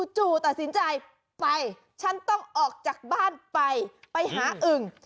จู่ตัดสินใจไปฉันต้องออกจากบ้านไปไปหาอึ่ง